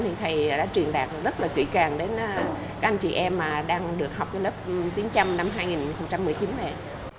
thì thầy đã truyền đạt rất là kỹ càng đến các anh chị em mà đang được học cái lớp tiếng trăm năm hai nghìn một mươi chín này